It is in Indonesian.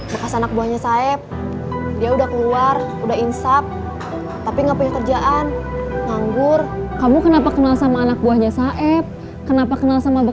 biar gak keganggu waktu mau operasi